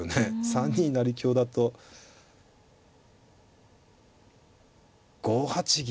３二成香だと５八銀。